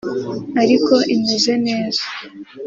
ariko imeze neza